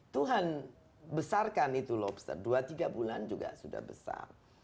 tuhan besarkan itu lobster dua tiga bulan juga sudah besar